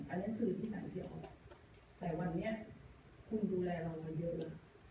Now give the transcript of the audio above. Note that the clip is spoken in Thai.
อันนี้คือนิสัยเดียวแต่วันนี้คุณดูแลเรามาเยอะ